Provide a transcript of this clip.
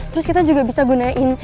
terus kita juga bisa gunain